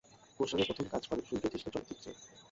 গোস্বামী প্রথম কাজ করেন "সূর্য তৃষ্ণা" চলচ্চিত্রে।